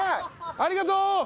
ありがとう！